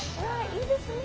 いいですね。